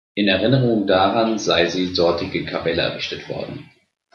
In Erinnerung daran sei sie dortige Kapelle errichtet worden.